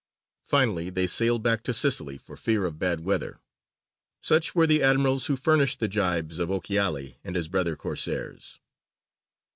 Finally they sailed back to Sicily, for fear of bad weather. Such were the admirals who furnished the gibes of Ochiali and his brother Corsairs.